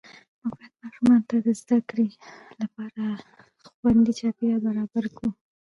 موږ باید ماشومانو ته د زده کړې لپاره خوندي چاپېریال برابر کړو